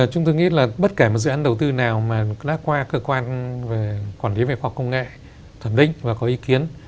chúng tôi nghĩ là bất kể một dự án đầu tư nào mà lá qua cơ quan về quản lý về khoa học công nghệ thẩm định và có ý kiến